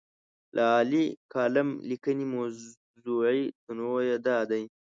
د عالي کالم لیکنې موضوعي تنوع یې دا دی.